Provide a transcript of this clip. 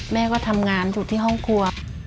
แม่ก็ทำงานอยู่ที่ห้องครัว